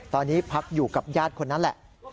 ตอนนี้พักอยู่กับญาติคนนั้นแหละ